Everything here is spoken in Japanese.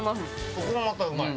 そこもまたうまい。